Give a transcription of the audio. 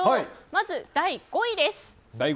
まず第５位です。